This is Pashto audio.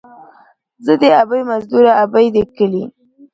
ـ زه دې ابۍ مزدوره ، ابۍ دې کلي.